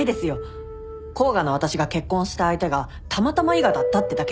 甲賀の私が結婚した相手がたまたま伊賀だったってだけで。